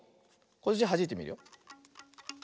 こっちはじいてみるよ。